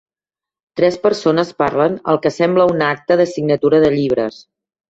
Tres persones parlen al que sembla un acte de signatura de llibres.